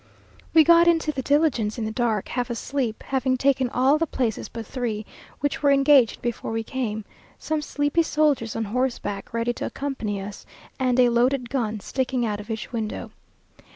We got into the diligence in the dark, half asleep, having taken all the places but three, which were engaged before we came; some sleepy soldiers on horseback, ready to accompany us, and a loaded gun sticking out of each window.